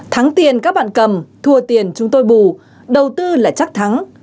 thắng tiền các bạn cầm thua tiền chúng tôi bù đầu tư là chắc thắng